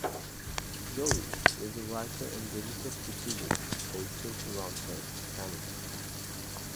Zoë is a writer and digital strategist based in Toronto, Canada.